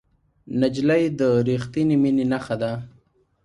نجلۍ د رښتینې مینې نښه ده.